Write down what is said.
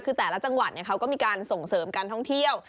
คือแต่ละจังหวัดเขาก็มีการส่งเสริมการท่องเที่ยว